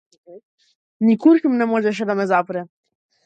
Ни куршум не можеше да ме запре.